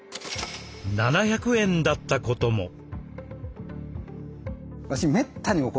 ７００円だったことも。